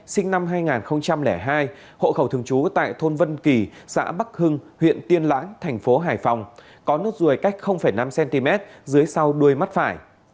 sinh năm hai nghìn hai hộ khẩu thường trú tại thôn vân kỳ xã bắc hưng huyện tiên lãng thành phố hải phòng có nốt ruồi cách năm cm dưới sau đuôi mắt phải